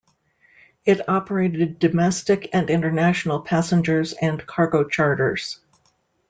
It operated domestic and international passenger and cargo charters.